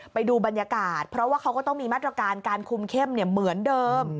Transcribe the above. ไปดูบรรยากาศเพราะว่าเขาก็ต้องมีมาตรการการคุมเข้มเหมือนเดิม